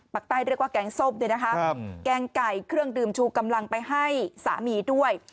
ปากใต้เรียกว่าแกงส้มเนี่ยนะคะแกงไก่เครื่องดื่มชูกำลังไปให้สามีด้วย